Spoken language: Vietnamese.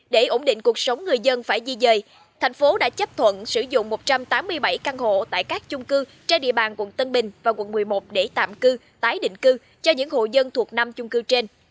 để ổn định cuộc sống người dân phải di dời thành phố đã chấp thuận sử dụng một trăm tám mươi bảy căn hộ tại các chung cư trên địa bàn quận tân bình và quận một mươi một để tạm cư tái định cư cho những hộ dân thuộc năm chung cư trên